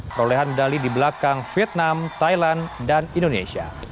perolehan medali di belakang vietnam thailand dan indonesia